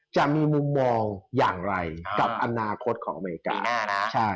จะมีมุมมองอย่างไรกับอนาคตของอเมริกาแน่นะ